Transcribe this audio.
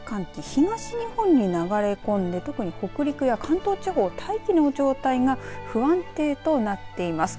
東日本に流れ込んで特に北陸や関東地方大気の状態が不安定となっています。